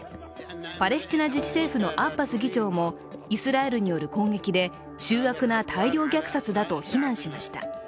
パレスチナ自治政府のアッバス議長もイスラエルによる攻撃で醜悪な大量虐殺だと非難しました。